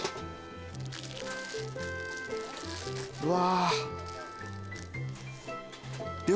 うわ。